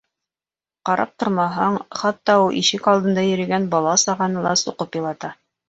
Ҡарап тормаһаң, хатта ул ишек алдында йөрөгән бала-сағаны ла суҡып илата.